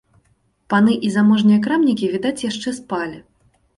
Паны і заможныя крамнікі, відаць, яшчэ спалі.